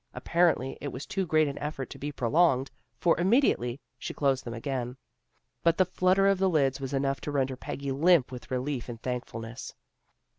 Appar ently it was too great an effort to be prolonged, for immediately she closed them again. But the flutter of the lids was enough to render Peggy limp with relief and thankfulness.